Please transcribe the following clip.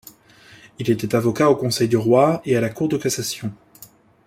Il était avocat aux Conseils du roi et à la Cour de cassation.